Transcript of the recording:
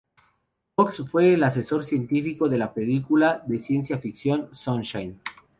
Cox fue el asesor científico de la película de ciencia ficción "Sunshine".